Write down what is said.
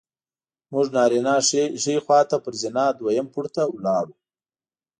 موږ نارینه ښي خوا ته پر زینه دویم پوړ ته ولاړو.